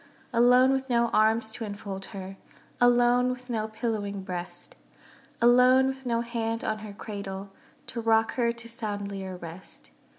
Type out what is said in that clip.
Alone with no arms to enfold her, Alone with no pillowing breast, Alone with no hand on her cradle, To rock her to soundlier rest.